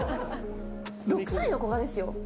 ６歳の子がですよ。